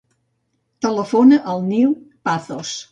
Telefona al Nil Pazos.